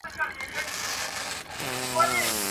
وريجې او مسوري اوډه کېږي.